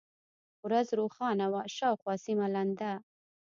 ورځ روښانه وه، شاوخوا سیمه لنده.